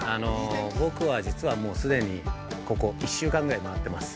僕は、実は、もう既にここ１週間ぐらい回ってます。